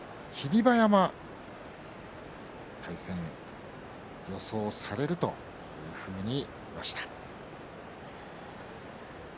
馬山対戦予想されるというふうになりました。